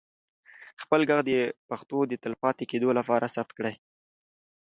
خپل ږغ د پښتو د تلپاتې کېدو لپاره ثبت کړئ.